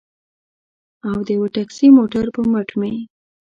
او د یوه ټکسي موټر پر مټ مې.